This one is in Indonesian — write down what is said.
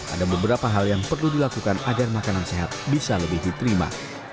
ada beberapa hal yang perlu dilakukan agar makanan sehat bisa lebih diterima